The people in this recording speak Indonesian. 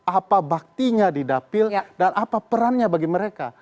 apa baktinya di dapil dan apa perannya bagi mereka